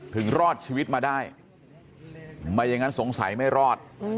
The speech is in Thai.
รอดชีวิตมาได้ไม่อย่างนั้นสงสัยไม่รอด